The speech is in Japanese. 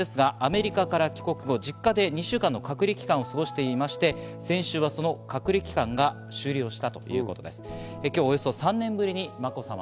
小室さんですがアメリカから帰国後、実家で２週間の隔離期間を過ごしていまして、先週、その隔離期間が終了しました。